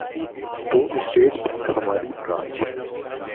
تو State Bank ہماری branch